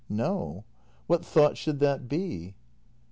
] No. What thought should that be?